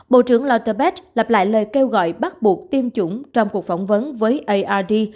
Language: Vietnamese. bộ trưởng lauterbach lập lại lời kêu gọi bắt buộc tiêm chủng trong cuộc phỏng vấn với ard